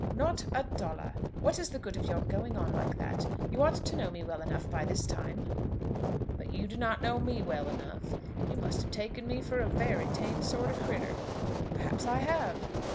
"Not a dollar! What is the good of your going on like that? You ought to know me well enough by this time." "But you do not know me well enough. You must have taken me for a very tame sort o' critter." "Perhaps I have."